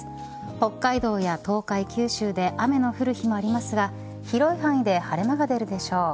北海道や東海、九州で雨の降る日もありますが広い範囲で晴れ間が出るでしょう。